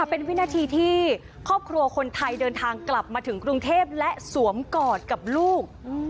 เป็นวินาทีที่ครอบครัวคนไทยเดินทางกลับมาถึงกรุงเทพและสวมกอดกับลูก